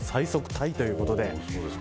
タイということで。